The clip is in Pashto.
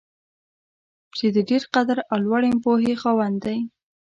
چې د ډېر قدر او لوړې پوهې خاوند دی.